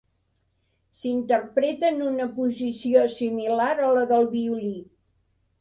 S'interpreta en una posició similar a la del violí.